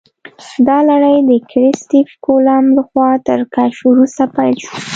دا لړۍ د کریسټف کولمب لخوا تر کشف وروسته پیل شوه.